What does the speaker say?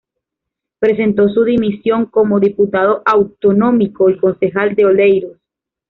Presentó su dimisión como diputado autonómico y concejal de Oleiros.